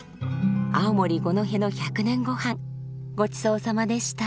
青森・五戸の１００年ゴハンごちそうさまでした。